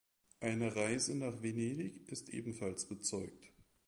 Eine Reise nach Venedig ist ebenfalls bezeugt.